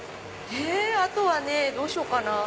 あとはねどうしようかな。